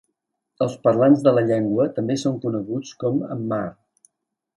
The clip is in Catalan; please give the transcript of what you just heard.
Els parlants de la llengua també són coneguts com hmar.